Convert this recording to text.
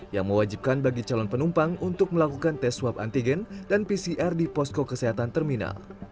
yang mewajibkan bagi calon penumpang untuk melakukan tes swab antigen dan pcr di posko kesehatan terminal